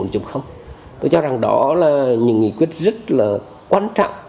tôi cho rằng đó là những nghị quyết rất là quan trọng